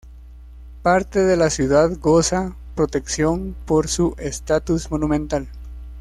Parte de la ciudad goza protección por su estatus monumental.